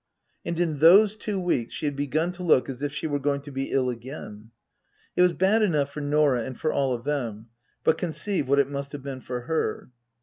And in those two weeks she had begun to look as if she were going to be ill again. It was bad enough for Norah and for all of them, but conceive what it must have been for her